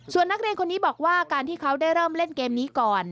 ส่วนนักเรียนคนนี้บอกว่าการที่เขาได้เริ่มเล่นเกมนี้ก่อน